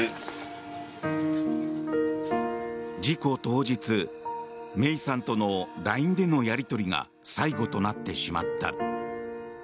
事故当日、芽生さんとのＬＩＮＥでのやり取りが最後となってしまった。